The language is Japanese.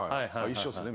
一緒っすね。